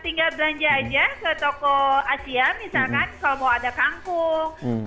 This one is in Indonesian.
tinggal belanja aja ke toko asia misalkan kalau mau ada kangkung